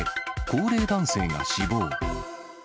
高齢男性が死亡。